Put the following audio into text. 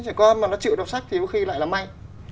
trẻ con mà nó chịu đọc sách thì có khi lại là may